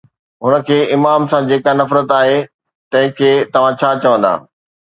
هن کي امام سان جيڪا نفرت آهي، تنهن کي توهان ڇا چوندا؟